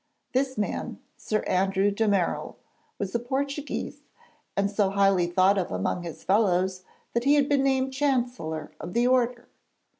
This man, Sir Andrew de Merall, was a Portuguese and so highly thought of among his fellows that he had been named Chancellor of the Order.